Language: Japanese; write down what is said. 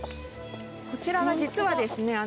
こちらは実はですね。